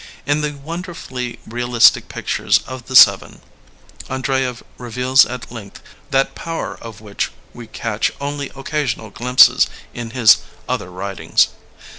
In the wonderfully realistic pictures of the seven, Andreyev reveals at length that power of which we catch only occasional glimpses in his other writings.